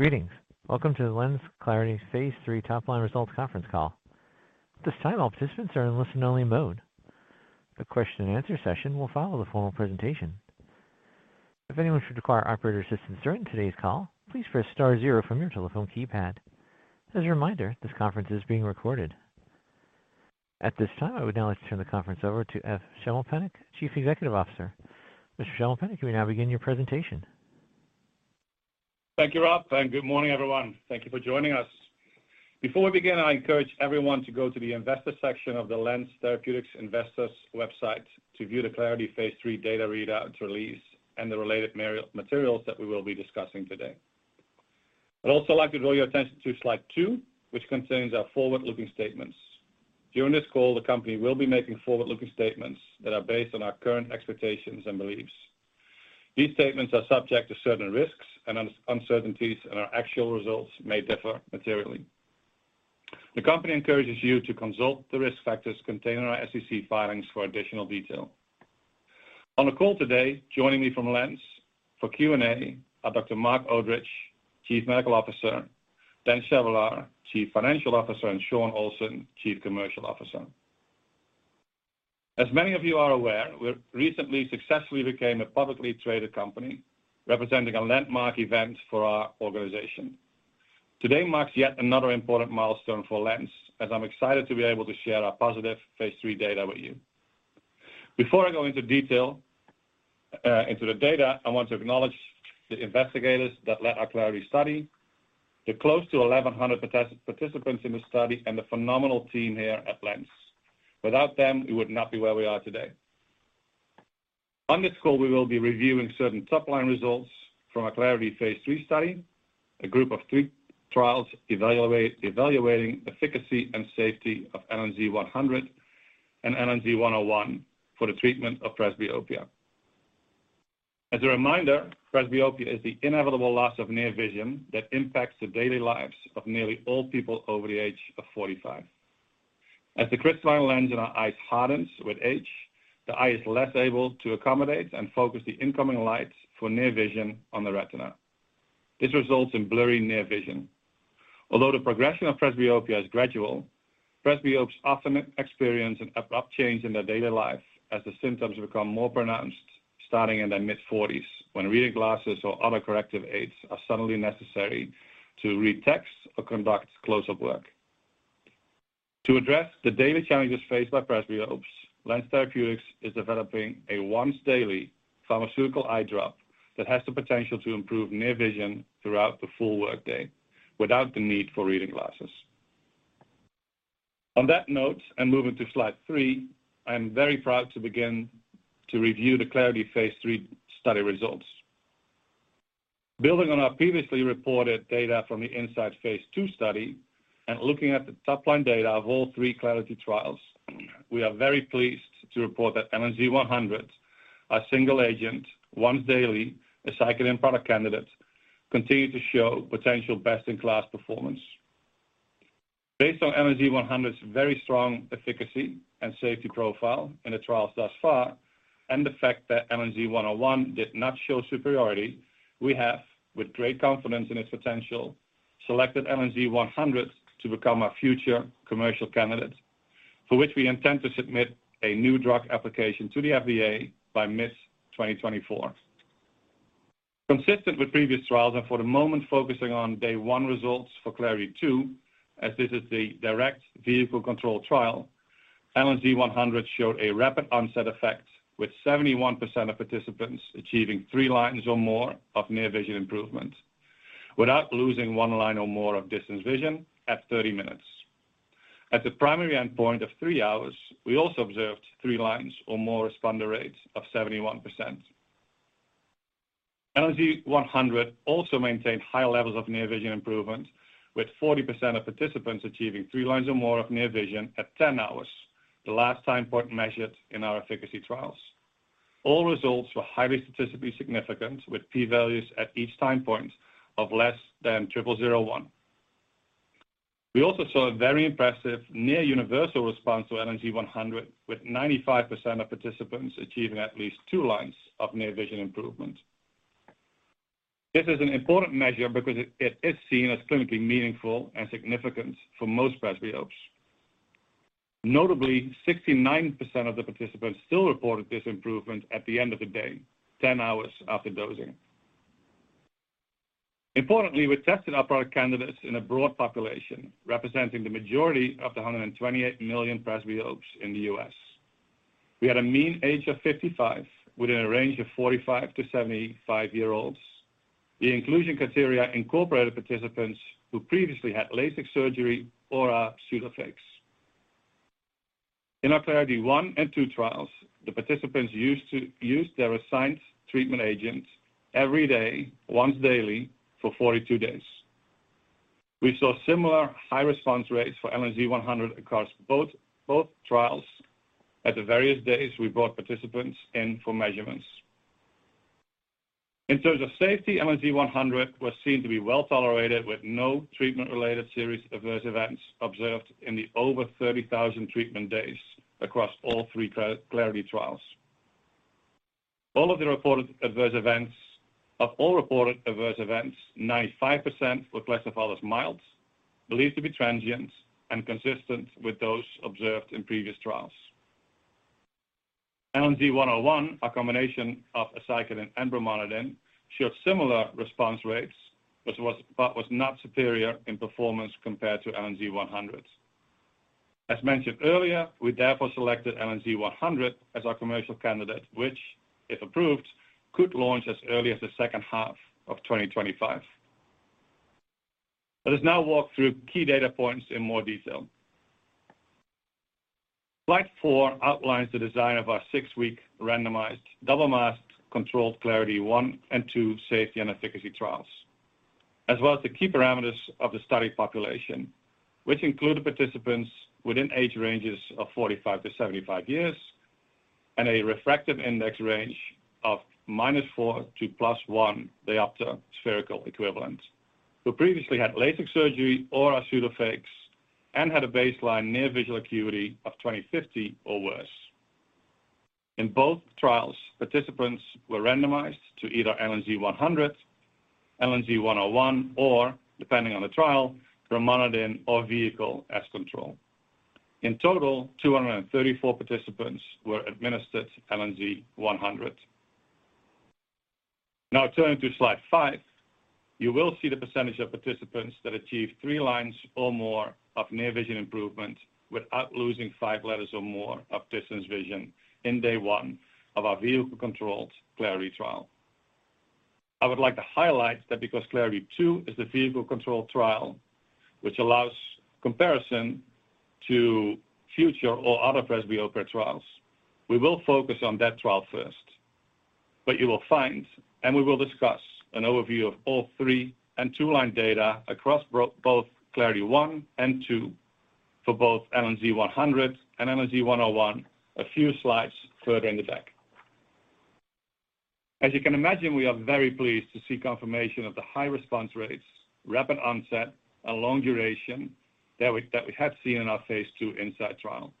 Greetings. Welcome to the LENZ CLARITY Phase III Top-Line Results Conference Call. At this time, all participants are in listen-only mode. A question and answer session will follow the formal presentation. If anyone should require operator assistance during today's call, please press star zero from your telephone keypad. As a reminder, this conference is being recorded. At this time, I would now like to turn the conference over to Eef Schimmelpennink, Chief Executive Officer. Mr. Schimmelpennink, you may now begin your presentation. Thank you, Rob, and good morning, everyone. Thank you for joining us. Before we begin, I encourage everyone to go to the investor section of the LENZ Therapeutics investor website to view the CLARITY phase III data readout release and the related material, materials that we will be discussing today. I'd also like to draw your attention to slide two, which contains our forward-looking statements. During this call, the company will be making forward-looking statements that are based on our current expectations and beliefs. These statements are subject to certain risks and uncertainties, and our actual results may differ materially. The company encourages you to consult the risk factors contained in our SEC filings for additional detail. On the call today, joining me from LENZ for Q&A are Dr. Marc Odrich, Chief Medical Officer, Dan Chevallard, Chief Financial Officer, and Shawn Olsson, Chief Commercial Officer. As many of you are aware, we recently successfully became a publicly traded company, representing a landmark event for our organization. Today marks yet another important milestone for LENZ, as I'm excited to be able to share our positive phase III data with you. Before I go into detail into the data, I want to acknowledge the investigators that led our CLARITY study, the close to 1,100 participants in the study, and the phenomenal team here at LENZ. Without them, we would not be where we are today. On this call, we will be reviewing certain top-line results from our CLARITY phase III study, a group of three trials evaluating the efficacy and safety of LNZ100 and LNZ101 for the treatment of presbyopia. As a reminder, presbyopia is the inevitable loss of near vision that impacts the daily lives of nearly all people over the age of 45. As the crystalline lens in our eyes hardens with age, the eye is less able to accommodate and focus the incoming light for near vision on the retina. This results in blurry near vision. Although the progression of presbyopia is gradual, presbyopes often experience an abrupt change in their daily life as the symptoms become more pronounced, starting in their mid-40s, when reading glasses or other corrective aids are suddenly necessary to read text or conduct close-up work. To address the daily challenges faced by presbyopes, LENZ Therapeutics is developing a once-daily pharmaceutical eye drop that has the potential to improve near vision throughout the full workday without the need for reading glasses. On that note, and moving to slide three, I am very proud to begin to review the CLARITY phase III study results. Building on our previously reported data from the INSIGHT phase II study and looking at the top-line data of all three CLARITY trials, we are very pleased to report that LNZ100, a single agent, once daily, a cyclodextrin product candidate, continued to show potential best-in-class performance. Based on LNZ100's very strong efficacy and safety profile in the trials thus far, and the fact that LNZ101 did not show superiority, we have, with great confidence in its potential, selected LNZ100 to become our future commercial candidate, for which we intend to submit a new drug application to the FDA by mid-2024. Consistent with previous trials, and for the moment focusing on day 1 results for CLARITY 2, as this is the direct vehicle control trial, LNZ100 showed a rapid onset effect, with 71% of participants achieving three lines or more of near vision improvement without losing one line or more of distance vision at 30 minutes. At the primary endpoint of three hours, we also observed three lines or more responder rates of 71%. LNZ100 also maintained high levels of near vision improvement, with 40% of participants achieving three lines or more of near vision at 10 hours, the last time point measured in our efficacy trials. All results were highly statistically significant, with P values at each time point of less than 0.001. We also saw a very impressive near universal response to LNZ100, with 95% of participants achieving at least two lines of near vision improvement. This is an important measure because it is seen as clinically meaningful and significant for most presbyopes. Notably, 69% of the participants still reported this improvement at the end of the day, 10 hours after dosing. Importantly, we tested our product candidates in a broad population, representing the majority of the 128 million presbyopes in the U.S. We had a mean age of 55, within a range of 45-75 year olds. The inclusion criteria incorporated participants who previously had LASIK surgery or are pseudophakes. In our CLARITY 1 and 2 trials, the participants used their assigned treatment agent every day, once daily, for 42 days. We saw similar high response rates for LNZ100 across both trials at the various days we brought participants in for measurements. In terms of safety, LNZ100 was seen to be well tolerated, with no treatment-related serious adverse events observed in the over 30,000 treatment days across all three CLARITY trials. All of the reported adverse events, of all reported adverse events, 95% were classified as mild, believed to be transient, and consistent with those observed in previous trials. LNZ101, a combination of aceclidine and brimonidine, showed similar response rates, but was not superior in performance compared to LNZ100. As mentioned earlier, we therefore selected LNZ100 as our commercial candidate, which, if approved, could launch as early as the second half of 2025. Let us now walk through key data points in more detail. Slide four outlines the design of our six-week randomized, double-masked, controlled CLARITY 1 and 2 safety and efficacy trials, as well as the key parameters of the study population, which include the participants within age ranges of 45-75 years and a refractive index range of -4 to +1 diopter spherical equivalent, who previously had LASIK surgery or pseudophakes and had a baseline near visual acuity of 20/50 or worse. In both trials, participants were randomized to either LNZ100, LNZ101, or depending on the trial, brimonidine or vehicle as control. In total, 234 participants were administered LNZ100. Now turning to slide five, you will see the percentage of participants that achieved three lines or more of near vision improvement without losing five letters or more of distance vision in day one of our vehicle-controlled CLARITY trial. I would like to highlight that because CLARITY 2 is the vehicle control trial, which allows comparison to future or other presbyopia trials, we will focus on that trial first. But you will find, and we will discuss an overview of all three and two-line data across both CLARITY 1 and 2 for both LNZ100 and LNZ101, a few slides further in the back. As you can imagine, we are very pleased to see confirmation of the high response rates, rapid onset, and long duration that we had seen in our phase II INSIGHT trial.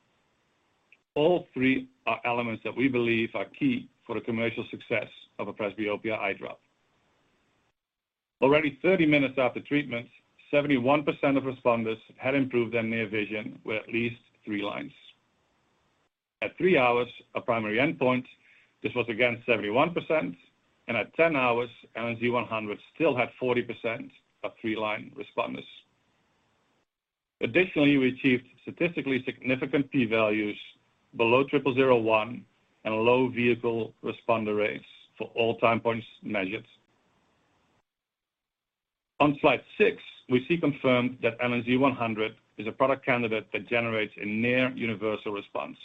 All three are elements that we believe are key for the commercial success of a presbyopia eye drop. Already 30 minutes after treatment, 71% of responders had improved their near vision with at least three lines. At three hours, our primary endpoint, this was again 71%, and at ten hours, LNZ100 still had 40% of three-line responders. Additionally, we achieved statistically significant P values below 0.001 and low vehicle responder rates for all time points measured. On slide six, we see confirmed that LNZ100 is a product candidate that generates a near universal response.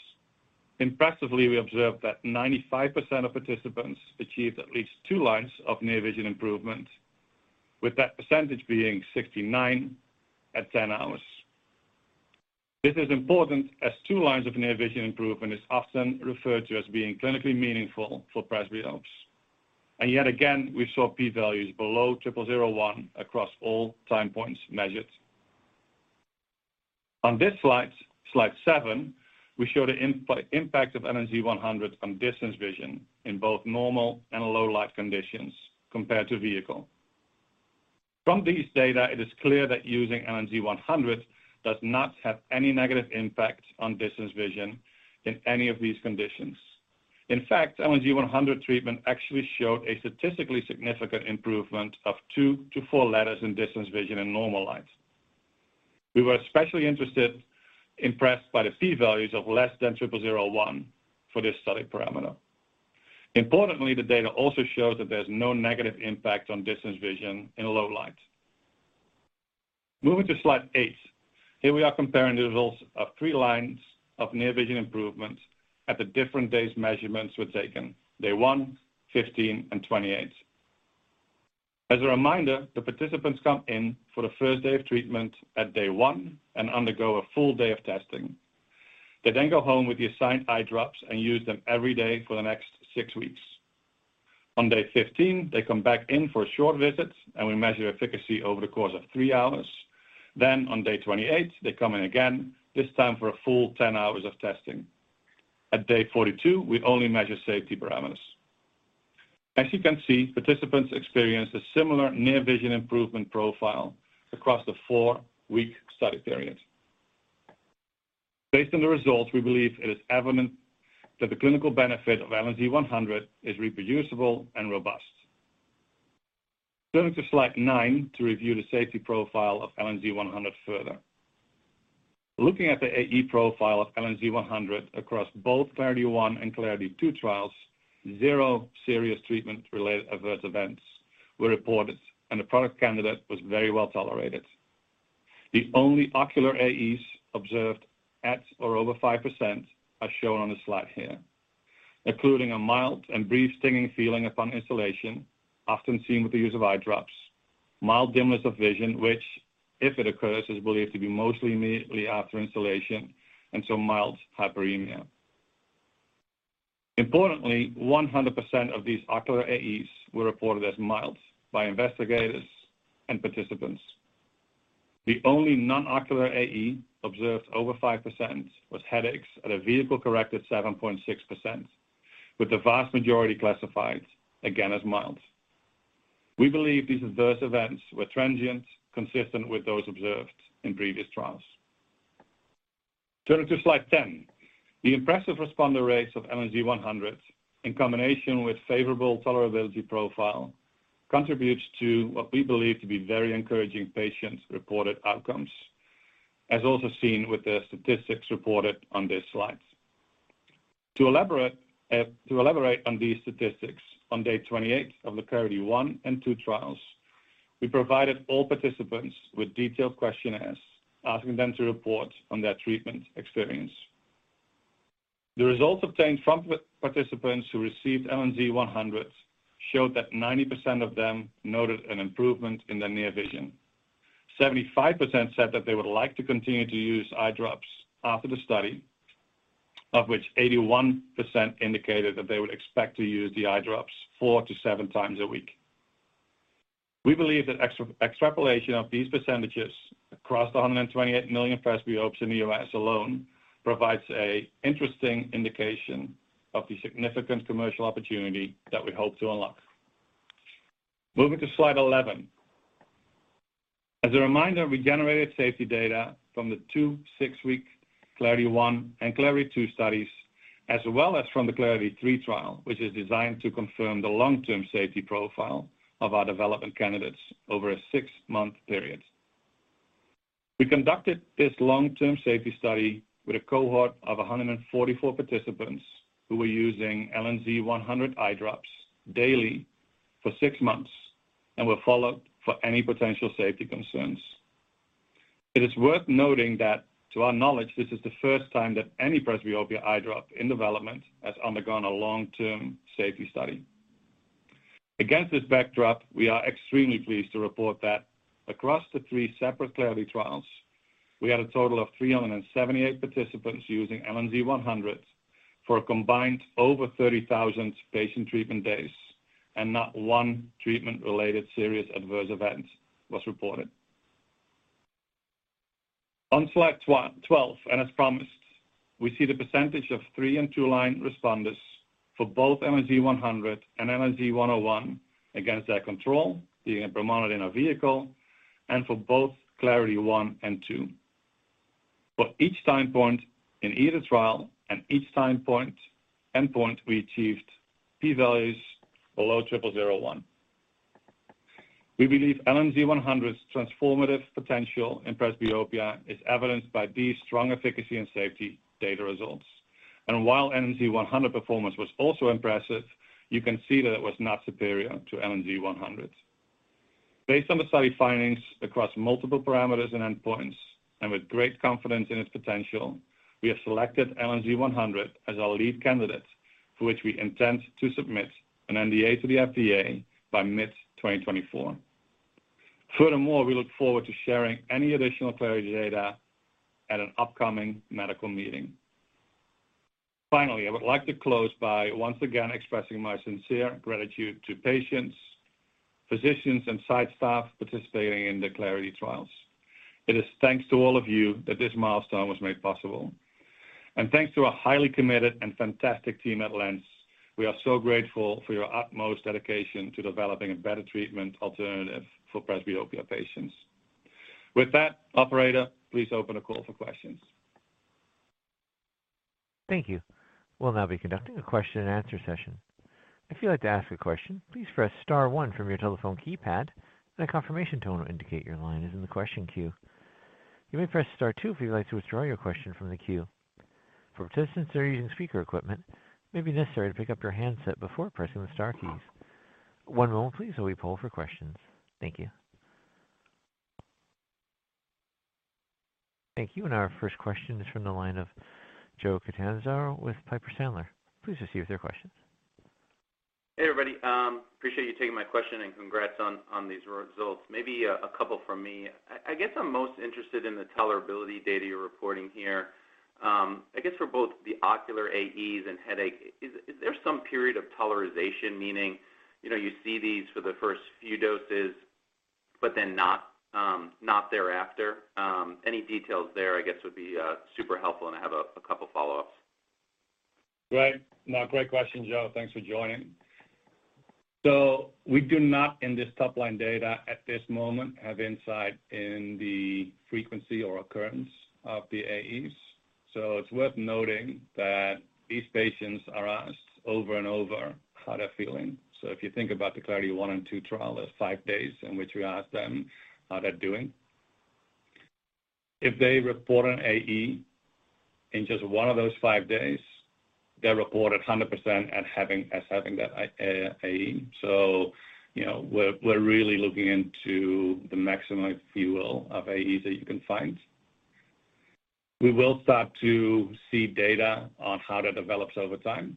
Impressively, we observed that 95% of participants achieved at least two lines of near vision improvement, with that percentage being 69% at ten hours. This is important as two lines of near vision improvement is often referred to as being clinically meaningful for presbyopes. And yet again, we saw P values below 0.001 across all time points measured. On this slide, slide seven, we show the impact of LNZ100 on distance vision in both normal and low light conditions compared to vehicle. From these data, it is clear that using LNZ100 does not have any negative impact on distance vision in any of these conditions. In fact, LNZ100 treatment actually showed a statistically significant improvement of 2-4 letters in distance vision in normal light. We were especially interested, impressed by the P values of less than 0.001 for this study parameter. Importantly, the data also shows that there's no negative impact on distance vision in low light. Moving to slide 8. Here we are comparing the results of three lines of near vision improvement at the different days measurements were taken, day one, 15, and 28. As a reminder, the participants come in for the first day of treatment at day 1 and undergo a full day of testing. They then go home with the assigned eye drops and use them every day for the next six weeks. On day 15, they come back in for a short visit, and we measure efficacy over the course of three hours. Then on day 28, they come in again, this time for a full 10 hours of testing. At day 42, we only measure safety parameters. As you can see, participants experience a similar near vision improvement profile across the 4-week study period. Based on the results, we believe it is evident that the clinical benefit of LNZ100 is reproducible and robust. Going to slide nine to review the safety profile of LNZ100 further. Looking at the AE profile of LNZ100 across both CLARITY 1 and CLARITY 2 trials, zero serious treatment-related adverse events were reported, and the product candidate was very well tolerated. The only ocular AEs observed at or over 5% are shown on the slide here, including a mild and brief stinging feeling upon instillation, often seen with the use of eye drops, mild dimness of vision, which, if it occurs, is believed to be mostly immediately after instillation, and some mild hyperemia. Importantly, 100% of these ocular AEs were reported as mild by investigators and participants. The only non-ocular AE observed over 5% was headaches at a vehicle-corrected 7.6%, with the vast majority classified again as mild. We believe these adverse events were transient, consistent with those observed in previous trials. Turning to slide 10. The impressive responder rates of LNZ-100 in combination with favorable tolerability profile contributes to what we believe to be very encouraging patient-reported outcomes, as also seen with the statistics reported on this slide. To elaborate on these statistics, on day 28 of the CLARITY 1 and 2 trials, we provided all participants with detailed questionnaires asking them to report on their treatment experience. The results obtained from the participants who received LNZ100 showed that 90% of them noted an improvement in their near vision. 75% said that they would like to continue to use eye drops after the study, of which 81% indicated that they would expect to use the eye drops 4-7 times a week. We believe that extrapolation of these percentages across the 128 million presbyopes in the U.S. alone provides a interesting indication of the significant commercial opportunity that we hope to unlock. Moving to slide 11. As a reminder, we generated safety data from the two six-week CLARITY 1 and CLARITY 2 studies, as well as from the CLARITY 3 trial, which is designed to confirm the long-term safety profile of our development candidates over a six-month period. We conducted this long-term safety study with a cohort of 144 participants who were using LNZ-100 eye drops daily for six months and were followed for any potential safety concerns. It is worth noting that, to our knowledge, this is the first time that any presbyopia eye drop in development has undergone a long-term safety study. Against this backdrop, we are extremely pleased to report that across the three separate CLARITY trials, we had a total of 378 participants using LNZ-100 for a combined over 30,000 patient treatment days, and not one treatment-related serious adverse event was reported. On slide 12, and as promised, we see the percentage of three and two-line responders for both LNZ100 and LNZ101 against their control, being a brimonidine vehicle, and for both CLARITY 1 and 2. For each time point in either trial and each time point, endpoint, we achieved p-values below 0.001. We believe LNZ100's transformative potential in presbyopia is evidenced by these strong efficacy and safety data results. And while LNZ100 performance was also impressive, you can see that it was not superior to LNZ100. Based on the study findings across multiple parameters and endpoints, and with great confidence in its potential, we have selected LNZ100 as our lead candidate, for which we intend to submit an NDA to the FDA by mid-2024. Furthermore, we look forward to sharing any additional CLARITY data at an upcoming medical meeting. Finally, I would like to close by once again expressing my sincere gratitude to patients, physicians, and site staff participating in the CLARITYtrials. It is thanks to all of you that this milestone was made possible. And thanks to our highly committed and fantastic team at LENZ, we are so grateful for your utmost dedication to developing a better treatment alternative for presbyopia patients. With that, operator, please open the call for questions. Thank you. We'll now be conducting a question and answer session. If you'd like to ask a question, please press star one from your telephone keypad. A confirmation tone will indicate your line is in the question queue. You may press star two if you'd like to withdraw your question from the queue. For participants that are using speaker equipment, it may be necessary to pick up your handset before pressing the star keys. One moment please while we poll for questions. Thank you. Thank you. Our first question is from the line of Joe Catanzaro with Piper Sandler. Please proceed with your questions. Hey, everybody. Appreciate you taking my question and congrats on these results. Maybe a couple from me. I guess I'm most interested in the tolerability data you're reporting here. I guess for both the ocular AEs and headache, is there some period of tolerization, meaning, you know, you see these for the first few doses, but then not thereafter? Any details there, I guess, would be super helpful, and I have a couple follow-ups. Great. No, great question, Joe. Thanks for joining. So we do not, in this top-line data at this moment, have insight in the frequency or occurrence of the AEs. So it's worth noting that these patients are asked over and over how they're feeling. So if you think about the CLARITY 1 and 2 trial, there's five days in which we ask them how they're doing. If they report an AE in just one of those five days, they're reported 100% as having that AE. So, you know, we're, we're really looking into the maximum, if you will, of AEs that you can find. We will start to see data on how that develops over time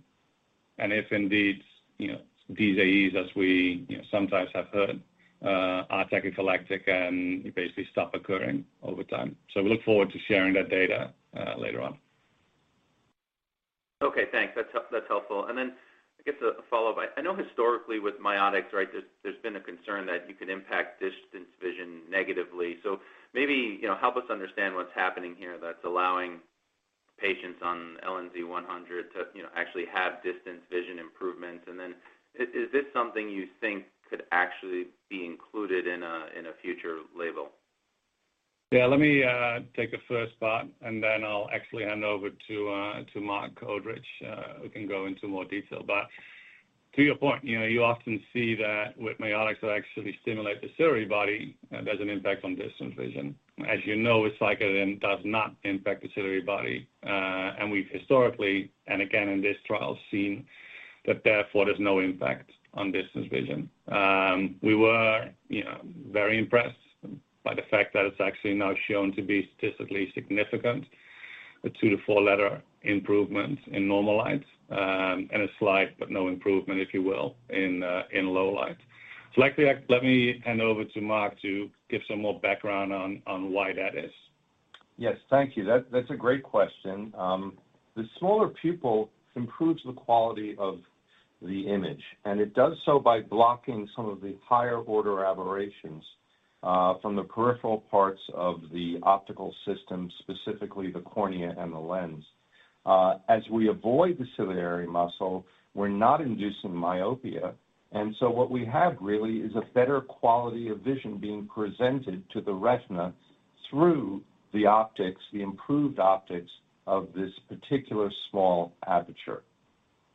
and if indeed, you know, these AEs, as we, you know, sometimes have heard, are tachyphylactic and basically stop occurring over time. So we look forward to sharing that data, later on. Okay, thanks. That's helpful, that's helpful. And then I guess a follow-up. I know historically with miotics, right, there's been a concern that you could impact distance vision negatively. So maybe, you know, help us understand what's happening here that's allowing patients on LNZ100 to, you know, actually have distance vision improvements. And then, is this something you think could actually be included in a future label? Yeah, let me take the first part, and then I'll actually hand over to Marc Odrich, who can go into more detail. But to your point, you know, you often see that with miotics that actually stimulate the ciliary body, there's an impact on distance vision. As you know, it's like it does not impact the ciliary body. And we've historically, and again in this trial, seen that therefore, there's no impact on distance vision. We were, you know, very impressed by the fact that it's actually now shown to be statistically significant, a 2-4-letter improvement in normal light, and a slight but no improvement, if you will, in low light. So let me hand over to Marc Odrich to give some more background on why that is. Yes, thank you. That, that's a great question. The smaller pupil improves the quality of the image, and it does so by blocking some of the higher order aberrations from the peripheral parts of the optical system, specifically the cornea and the lens. As we avoid the ciliary muscle, we're not inducing myopia, and so what we have really is a better quality of vision being presented to the retina through the optics, the improved optics of this particular small aperture.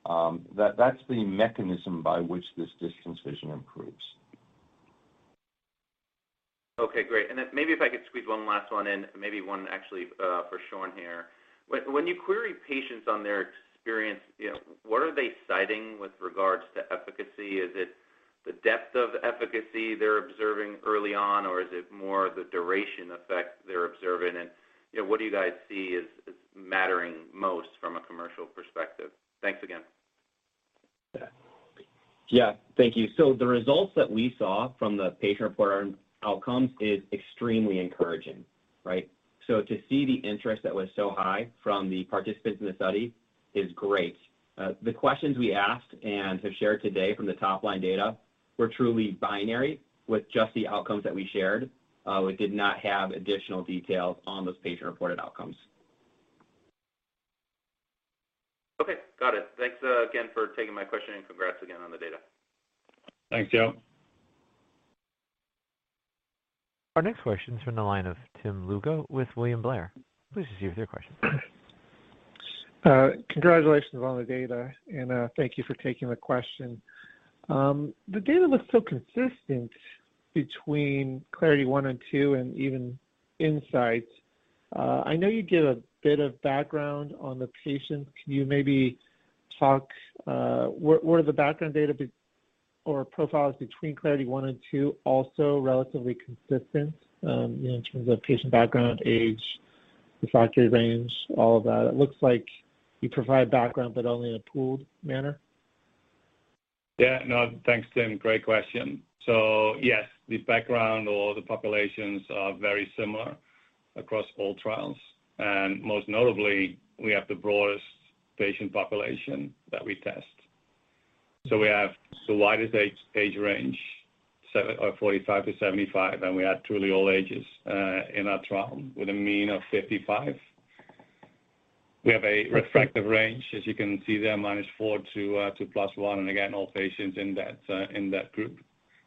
That, that's the mechanism by which this distance vision improves. Okay, great. And then maybe if I could squeeze one last one in, maybe one actually, for Shawn here. When you query patients on their experience, you know, what are they citing with regards to efficacy? Is it the depth of efficacy they're observing early on, or is it more the duration effect they're observing? And, you know, what do you guys see as mattering most from a commercial perspective? Thanks again. Yeah. Yeah, thank you. So the results that we saw from the patient-reported outcomes is extremely encouraging, right? So to see the interest that was so high from the participants in the study is great. The questions we asked and have shared today from the top-line data were truly binary with just the outcomes that we shared. We did not have additional details on those patient-reported outcomes. Okay, got it. Thanks, again for taking my question, and congrats again on the data. Thanks, Joe. Our next question is from the line of Tim Lugo with William Blair. Please proceed with your question. Congratulations on the data, and thank you for taking the question. The data looks so consistent between CLARITY 1 and 2 and even INSIGHT. I know you give a bit of background on the patients. Can you maybe talk... Were the background data or profiles between CLARITY 1 and 2 also relatively consistent, you know, in terms of patient background, age, the acuity range, all of that? It looks like you provide background, but only in a pooled manner. Yeah, no, thanks, Tim. Great question. So yes, the background or the populations are very similar across all trials, and most notably, we have the broadest patient population that we test. So we have the widest age range, 45-75, and we have truly all ages in our trial, with a mean of 55. We have a refractive range, as you can see there, -4 to +1, and again, all patients in that group.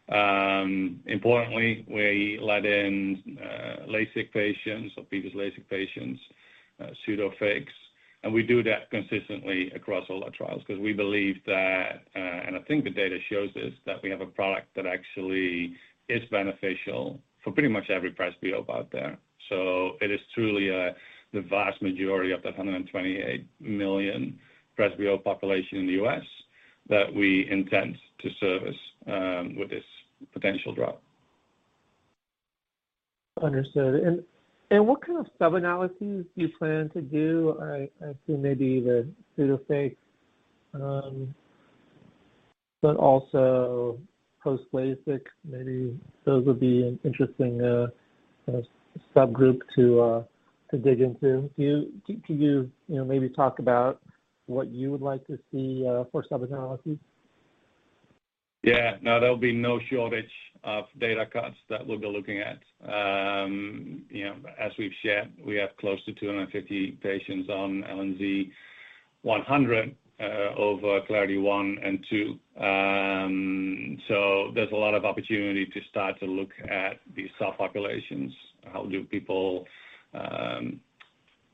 Importantly, we let in LASIK patients or previous LASIK patients, pseudophakics, and we do that consistently across all our trials because we believe that, and I think the data shows this, that we have a product that actually is beneficial for pretty much every presbyopia out there. It is truly the vast majority of the 128 million presbyopia population in the US that we intend to service with this potential drop. Understood. And what kind of sub analyses do you plan to do? I assume maybe the pseudophakic, but also post LASIK. Maybe those would be an interesting subgroup to dig into. Can you, you know, maybe talk about what you would like to see for sub analyses? Yeah. No, there'll be no shortage of data cuts that we'll be looking at. You know, as we've shared, we have close to 250 patients on LNZ100 over CLARITY 1 and 2. So there's a lot of opportunity to start to look at these subpopulations. How do people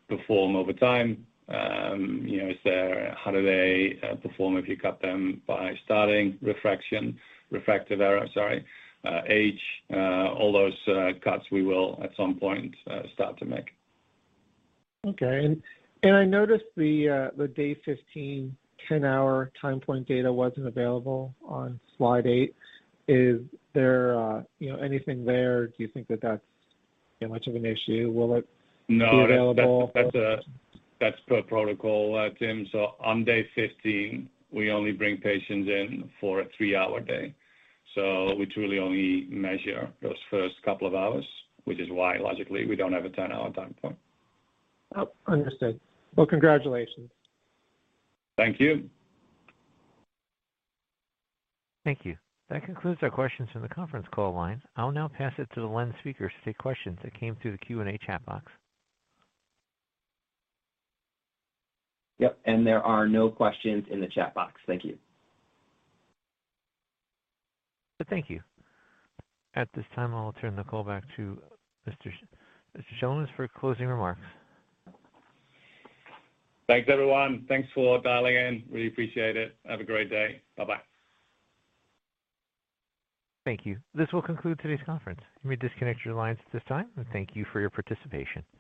perform over time? You know, is there - how do they perform if you cut them by starting refraction, refractive error, sorry, age? All those cuts we will, at some point, start to make. Okay. And I noticed the day 15 10-hour time point data wasn't available on slide 8. Is there, you know, anything there? Do you think that that's much of an issue? Will it- No. -be available? That's, that's per protocol, Tim. So on day 15, we only bring patients in for a three-hour day. So we truly only measure those first couple of hours, which is why, logically, we don't have a 10-hour time point. Oh, understood. Well, congratulations. Thank you. Thank you. That concludes our questions from the conference call line. I'll now pass it to the LENZ speakers to take questions that came through the Q&A chat box. Yep, and there are no questions in the chat box. Thank you. Thank you. At this time, I'll turn the call back to Mr. Schimmelpennink for closing remarks. Thanks, everyone. Thanks for dialing in. We appreciate it. Have a great day. Bye-bye. Thank you. This will conclude today's conference. You may disconnect your lines at this time, and thank you for your participation.